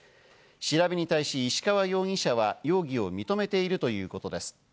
調べに対し石川容疑者は容疑を認めているということです。